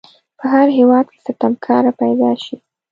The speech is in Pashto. په هر هیواد کې ستمکاره پیداشي.